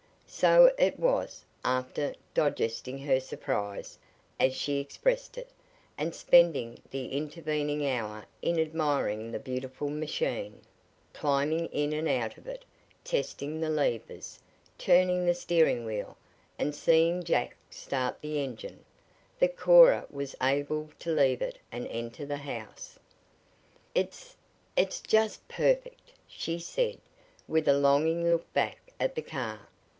So it was, after "digesting her surprise," as she expressed it, and spending the intervening hour in admiring the beautiful machine, climbing in and out of it, testing the levers, turning the steering wheel, and seeing Jack start the engine, that Cora was able to leave it and enter the house. "It's it's just perfect;" she said, with a longing look back at the car.